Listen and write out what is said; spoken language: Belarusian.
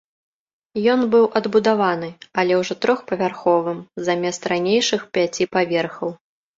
Ён быў адбудаваны, але ўжо трохпавярховым замест ранейшых пяці паверхаў.